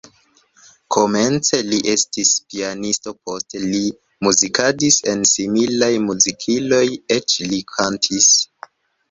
Komence li estis pianisto, poste li muzikadis en similaj muzikiloj, eĉ li kantis.